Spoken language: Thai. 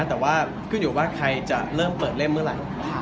แต่ว่าขึ้นอยู่ว่าใครจะเริ่มเปิดเล่มเมื่อไหร่